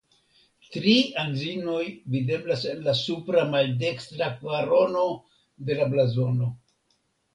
Tri anzinoj videblas en la supra maldekstra kvarono de la blazono.